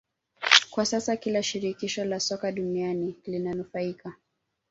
Kwa sasa kila shirikisho la soka duniani linanufaika